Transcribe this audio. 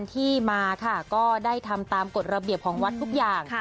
ที่มาค่ะก็ได้ทำตามกฎระเบียบของวัดทุกอย่าง